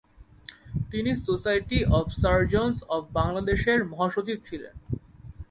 তিনি society of surgeons of Bangladesh -এর মহাসচিব ছিলেন।